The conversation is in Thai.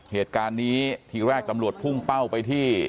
เหตุการณ์นี้ทีแรกตำรวจพุ่งเป้าไปที่